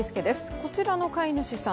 こちらの飼い主さん